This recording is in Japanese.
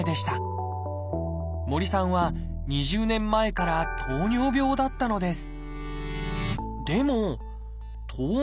森さんは２０年前から糖尿病だったのです。